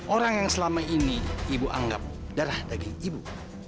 orang yang selama ini ibu anggap darah daging ibu